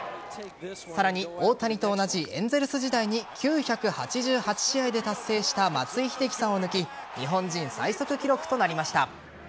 さらに大谷と同じエンゼルス時代に９８８試合で達成した松井秀喜さんを抜き日本人最速記録となりました。